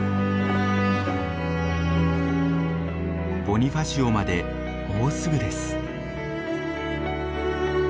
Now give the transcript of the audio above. ボニファシオまでもうすぐです。